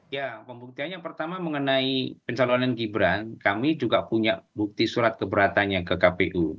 ya pembuktian yang pertama mengenai pencalonan gibran kami juga punya bukti surat keberatannya ke kpu